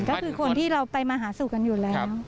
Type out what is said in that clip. ก็คือคนที่เราไปมาหาสู่กันอยู่แล้ว